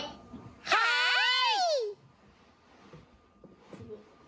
はい！